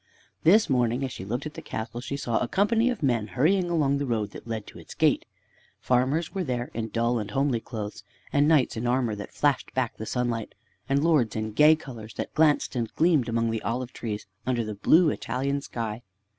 This morning, as she looked at the castle, she saw a company of men hurrying along the road that led to its gate. Farmers were there in dull and homely clothes, and knights in armor that flashed back the sunlight, and lords in gay colors that glanced and gleamed among the olive trees under the blue Italian sky.